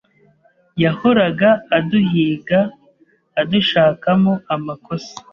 yahoraga aduhiga adushakamo amakosa,